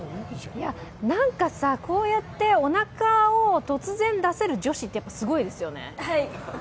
なんかさ、こうやっておなかを突然、出せる女子ってすごいですよね。